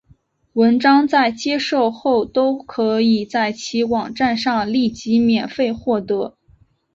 文章在接受后都可以在其网站上立即免费获得。